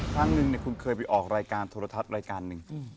ครั้งหนึ่งคุณเคยไปออกรายการโทรทัศน์รายการหนึ่ง